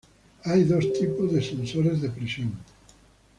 Hay dos tipos de sensores de presión.